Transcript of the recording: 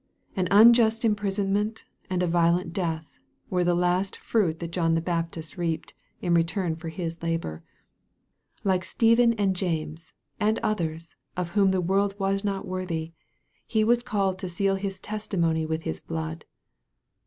An unjust imprisonment and a violent death, were the last fruit that John the Baptist reaped, in return for his labor. Like Stephen and James, and others, of whom the world was not worthy, he was called to seal his testimony with his blood.